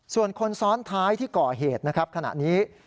ส่วนคนซ้อนท้ายที่เกาะเหตุขณะนี้